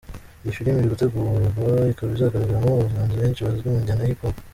Iyi filimi iri gutegurwa ikaba izagaragaramo abahanzi benshi bazwi mu njyana ya Hip Hop.